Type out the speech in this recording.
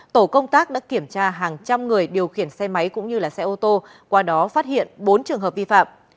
tổ công tác đã kiểm tra hàng trăm người điều khiển xe máy cũng như xe ô tô qua đó phát hiện bốn trường hợp vi phạm